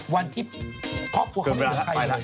วันที่ครอบครัวก็ไม่เหลือใครแล้ว